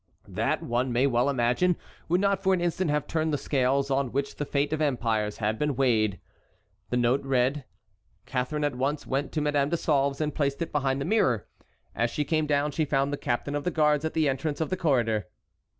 That, one may well imagine, would not for an instant have turned the scales on which the fate of empires had been weighed. The note read, Catharine at once went to Madame de Sauve's and placed it behind the mirror. As she came down she found the captain of the guards at the entrance of the corridor.